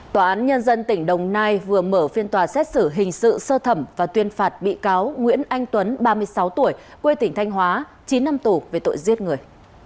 tòa án nhân dân tỉnh đồng nai vừa mở phiên tòa xét xử hình sự sơ thẩm và tuyên phạt bị cáo nguyễn anh tuấn ba mươi sáu tuổi quê tỉnh thanh hóa chín năm tù về tội giết người